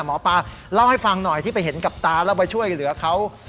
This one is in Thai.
หมอปลาเล่าให้ฟังหน่อยที่ไปเห็นกับตาแล้วไปช่วยเหลือเขา